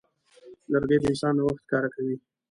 لرګی د انسان نوښت ښکاره کوي.